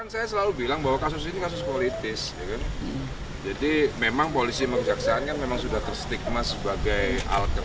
saya selalu bilang bahwa kasus ini kasus politis jadi memang polisi dan kejaksaan kan sudah terstigma sebagai alat alat